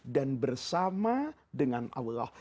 dan bersama dengan allah